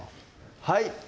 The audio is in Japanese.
はい